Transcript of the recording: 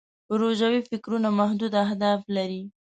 پروژوي فکرونه محدود اهداف لري.